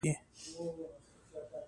اودس په شک نه ماتېږي .